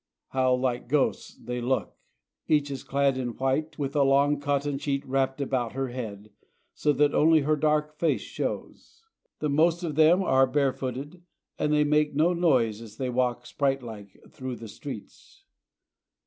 How like ghosts they look! Each is clad in white, with a long cotton sheet wrapped about her head, so that only her dark face shows. The most of them are barefooted, and they make no noise as they walk spiritlike through the streets.